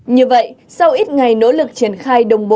như vậy sau ít ngày nỗ lực triển khai đồng bộ